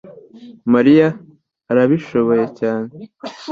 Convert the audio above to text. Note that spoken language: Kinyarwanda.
mariya arabishoboye cyane (Spamster)